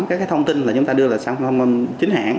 các cái thông tin mà chúng ta đưa là sản phẩm chính hãng